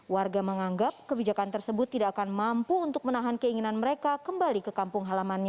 warga menganggap kebijakan tersebut tidak akan mampu untuk menahan keinginan mereka kembali ke kampung halamannya